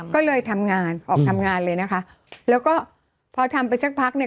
ก็เลยทำงานออกทำงานเลยนะคะแล้วก็พอทำไปสักพักเนี่ย